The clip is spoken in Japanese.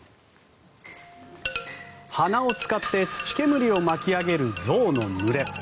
鼻を使って土煙を巻き上げる象の群れ。